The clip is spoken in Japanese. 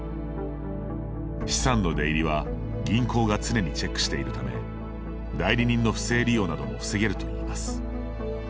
資産の出入りは銀行が常にチェックしているため代理人の不正利用なども防げるといいます。